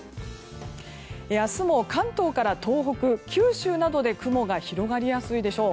明日も関東から東北、九州などで雲が広がりやすいでしょう。